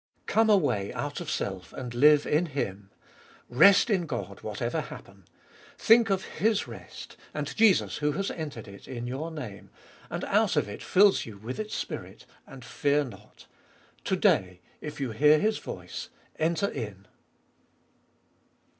Come away out of self, and live in Him. REST IN GOD whatever happen. Think of His 158 abe Iboliest of Bll REST, and Jesus who has entered it in your name, and out of it fills you with its Spirit, and fear not. To day ; if you hear His voice, enter in.